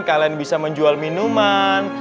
kalian bisa menjual minuman